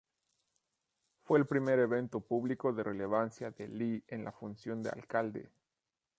Fue el primer evento público de relevancia de Lee en la función de alcalde.